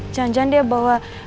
janjangan dia bawa